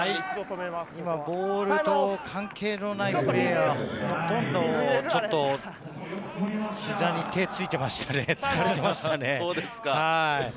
ボールと関係のないプレーヤーはほとんど、ちょっと、膝に手をついていましたね、疲れていました。